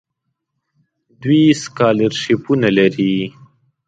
دوی سکالرشیپونه لري.